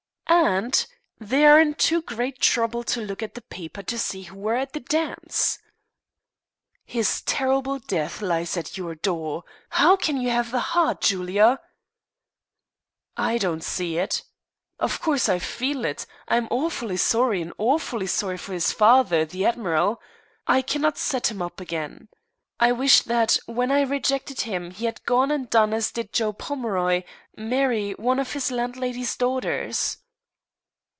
"Aunt, they are in too great trouble to look at the paper to see who were at the dance." "His terrible death lies at your door. How you can have the heart, Julia " "I don't see it. Of course, I feel it. I am awfully sorry, and awfully sorry for his father, the admiral. I cannot set him up again. I wish that when I rejected him he had gone and done as did Joe Pomeroy, marry one of his landlady's daughters."